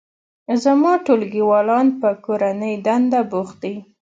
زما ټولګیوالان په کورنۍ دنده بوخت دي